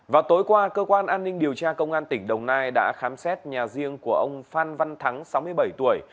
vào tối qua cơ quan an ninh điều tra công an tỉnh đồng nai đã khám xét nhà riêng của ông phan văn thắng sáu mươi bảy tuổi